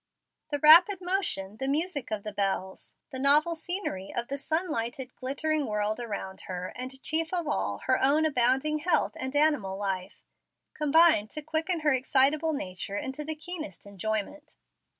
The rapid motion, the music of the bells, the novel scenery of the sun lighted, glittering world around her, and, chief of all, her own abounding health and animal life, combined to quicken her excitable nature into the keenest enjoyment.